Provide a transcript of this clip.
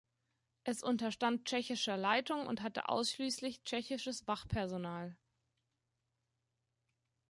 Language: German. Es unterstand tschechischer Leitung und hatte ausschließlich tschechisches Wachpersonal.